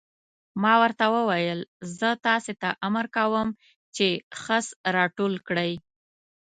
ما ورته وویل: زه تاسې ته امر کوم چې خس را ټول کړئ.